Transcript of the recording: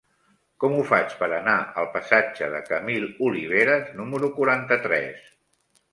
Com ho faig per anar al passatge de Camil Oliveras número quaranta-tres?